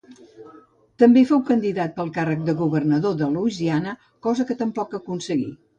També fou candidat pel càrrec de Governador de Louisiana, cosa que tampoc aconseguí.